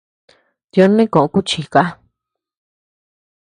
Tiö neʼe koʼö kuchika.